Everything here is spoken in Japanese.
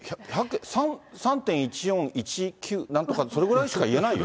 ３．１４１９なんとか、それぐらいしか言えないよ。